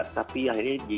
tapi akhirnya g dua